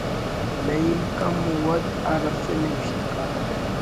نعیم کم و وَد ہر اسہ نوشتکار